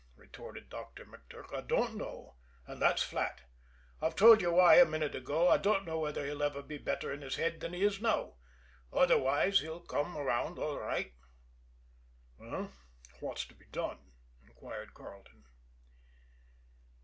retorted Doctor McTurk. "I don't know and that's flat. I've told you why a minute ago. I don't know whether he'll ever be better in his head than he is now otherwise he'll come around all right." "Well, what's to be done?" inquired Carleton.